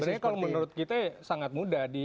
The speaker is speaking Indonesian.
sebenarnya kalau menurut kita sangat mudah